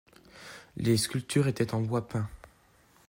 Les sculptures étaient en bois peint.